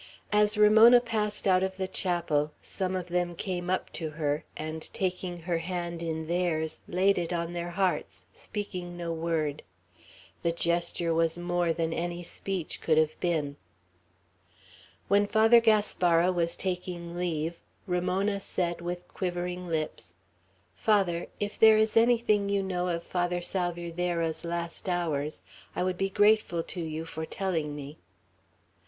As Ramona passed out of the chapel, some of them came up to her, and taking her hand in theirs, laid it on their hearts, speaking no word. The gesture was more than any speech could have been. When Father Gaspara was taking leave, Ramona said, with quivering lips, "Father, if there is anything you know of Father Salvierderra's last hours, I would be grateful to you for telling me."